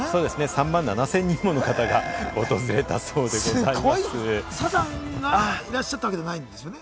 ３万７０００人もの方が訪れサザンがいらっしゃったわけではないんですよね？